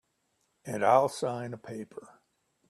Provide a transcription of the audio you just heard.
And I'll sign a paper.